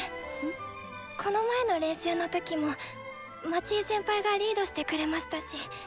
この前の練習の時も町井先輩がリードしてくれましたし。